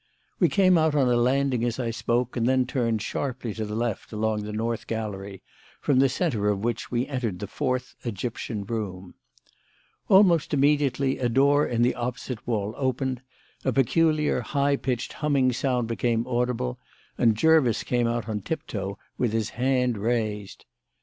We came out on a landing as I spoke and then turned sharply to the left along the North Gallery, from the centre of which we entered the Fourth Egyptian Room. Almost immediately, a door in the opposite wall opened; a peculiar, high pitched humming sound became audible, and Jervis came out on tiptoe with his hand raised.